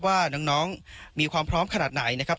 ว่าน้องมีความพร้อมขนาดไหนนะครับ